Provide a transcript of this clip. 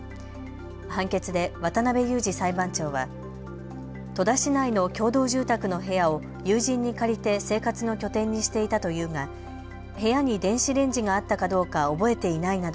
判決で渡部勇次裁判長は戸田市内の共同住宅の部屋を友人に借りて生活の拠点にしていたというが部屋に電子レンジがあったかどうか覚えていないなど